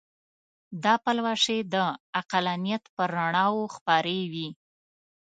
دا پلوشې د عقلانیت پر رڼاوو خپرې وې.